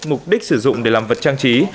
mục đích sử dụng để làm vật trang trí